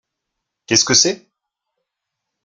Qu’est-ce que c’est ?